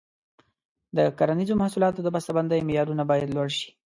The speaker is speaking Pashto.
د کرنیزو محصولاتو د بسته بندۍ معیارونه باید لوړ شي.